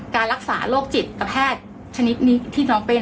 การรักษาโรคจิตกับแพทย์ชนิดนี้ที่น้องเป็น